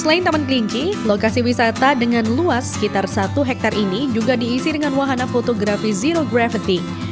selain taman kelinci lokasi wisata dengan luas sekitar satu hektare ini juga diisi dengan wahana fotografi zero gravity